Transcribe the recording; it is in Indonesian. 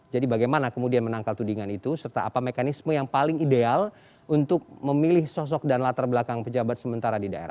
jadi bagaimana kemudian menangkal tudingan itu serta apa mekanisme yang paling ideal untuk memilih sosok dan latar belakang pejabat sementara di daerah